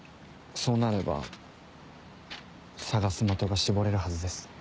そうなれば捜す的が絞れるはずです。